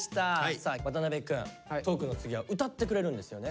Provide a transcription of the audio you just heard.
さあ渡辺くんトークの次は歌ってくれるんですよね。